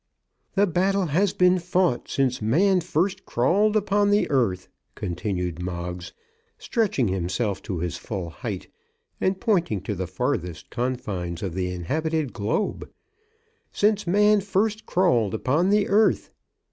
"The battle has been fought since man first crawled upon the earth," continued Moggs, stretching himself to his full height and pointing to the farthest confines of the inhabited globe; "since man first crawled upon the earth."